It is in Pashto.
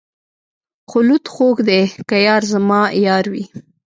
خلوت خوږ دی که یار زما یار وي.